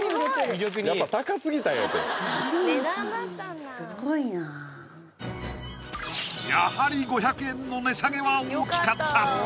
魅力にやはり５００円の値下げは大きかった！